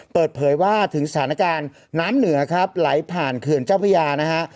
เปิดเผยว่าถึงสถานการณ์น้ำเหนือครับไหลผ่านเขื่อนเจ้าพระยานะฮะ